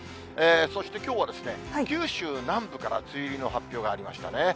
そしてきょうはですね、九州南部から梅雨入りの発表がありましたね。